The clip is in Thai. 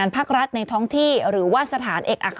มีสารตั้งต้นเนี่ยคือยาเคเนี่ยใช่ไหมคะ